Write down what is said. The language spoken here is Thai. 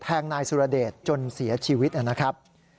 นายสุรเดชจนเสียชีวิตนะครับ